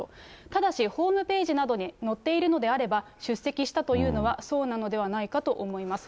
ただし、ホームページなどに載っているのであれば、出席したというのはそうなのではないかと思います。